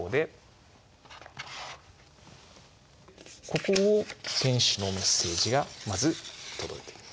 ここを天使のメッセージがまず届いてる。